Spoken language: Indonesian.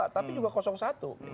tapi juga satu